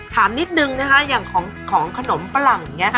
ถามนิดนึงนะคะอย่างของขนมฝรั่งอย่างนี้ค่ะ